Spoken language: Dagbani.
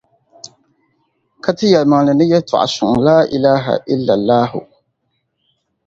Ka ti yɛlimaŋli ni yɛltɔɣa suŋ, Laa’ilaaha illallahu.